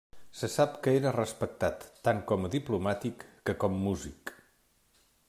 Se sap que era respectat tant com a diplomàtic, que com músic.